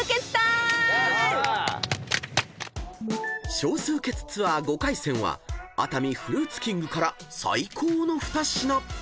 ［少数決ツアー５回戦は「熱海フルーツキング」から最高の２品］